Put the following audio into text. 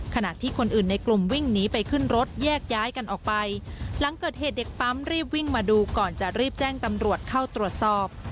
ขณะที่คนอื่นในกลุ่มวิ่งหนีไปขึ้นรถแยกย้ายกันออกไปหลังเกิดเหตุเด็กปั๊มรีบวิ่งมาดูก่อนจะรีบแจ้งตำรวจเข้าตรวจสอบ